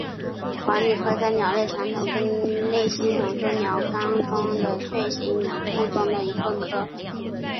黄鹂科在鸟类传统分类系统中是鸟纲中的雀形目中的一个科。